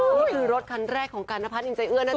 นี่คือรถคันแรกของการนพัฒนินใจเอื้อนะจ